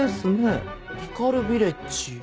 ヒカルヴィレッジ。